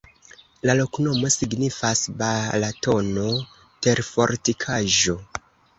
La loknomo signifas: Balatono-terfortikaĵo.